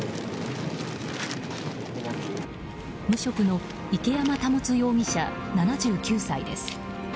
無職の池山方容疑者７９歳です。